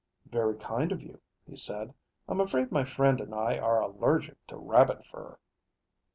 "Very kind of you," he said. "I'm afraid my friend and I are allergic to rabbit fur."